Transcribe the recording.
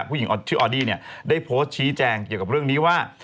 ผู้หญิงชื่อออดี้เนี่ยได้โพสต์ชี้แจงเกี่ยวกับเรื่องนี้ว่า